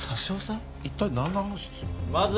一体何の話です？